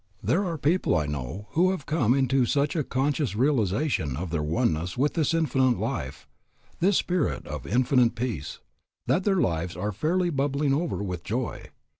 There are people I know who have come into such a conscious realization of their oneness with this Infinite Life, this Spirit of Infinite Peace, that their lives are fairly bubbling over with joy.